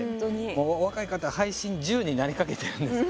お若い方配信１０になりかけてるんです。